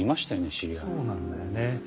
そうなんだよね。